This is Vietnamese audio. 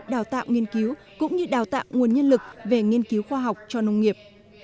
đào tạo nghiên cứu cũng như đào tạo nguồn nhân lực về nghiên cứu khoa học cho nông nghiệp